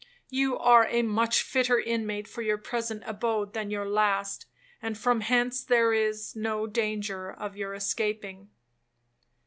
You are a much fitter inmate for your present abode than your last, and from hence there is no danger of your escaping.'